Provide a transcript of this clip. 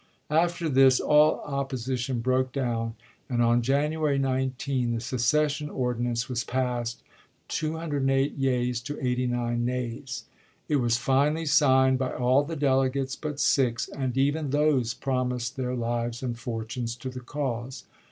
After this all opposition broke down, and on January 19 the secession ordinance isei. was passed, 208 yeas to 89 nays. It was finally signed by all the delegates but six, and even those promised their lives and fortunes to the cause.